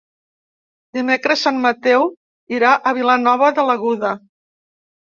Dimecres en Mateu irà a Vilanova de l'Aguda.